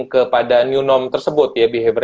kepada new normal tersebut ya behavior